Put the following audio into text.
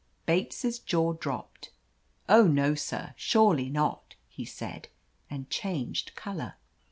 Bates' jaw dropped. "Oh, no, sir. Surely not !" he said, and changed color.